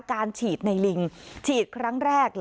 การฉีดในลิงฉีดครั้งแรก